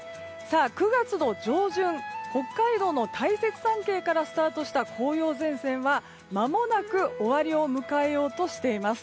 ９月の上旬北海道の大雪山系からスタートした紅葉前線はまもなく終わりを迎えようとしています。